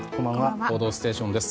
「報道ステーション」です。